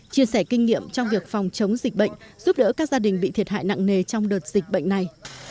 chia sẻ kinh nghiệm trong việc phòng chống dịch bệnh giúp đỡ các gia đình bị thiệt hại nặng nề trong đợt dịch bệnh này